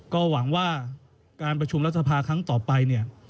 ก็หวังว่าการประชุมรัฐสภาครั้งต่อไปเนี่ย